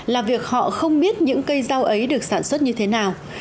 là việc họ không biết những cây rau ấy được sản xuất như thế nào